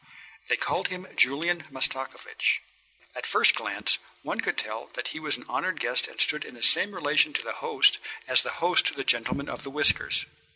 They called him Julian Mastakovich. At first glance one could tell he was an honoured guest and stood in the same relation to the host as the host to the gentleman of the whiskers.